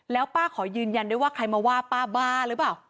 แล้วป้าขอยืนยันด้วยว่าใครมาว่าป้าบ้าหรือเปล่า